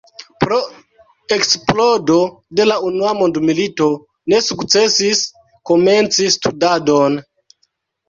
Pro eksplodo de la unua mondmilito ne sukcesis komenci studadon.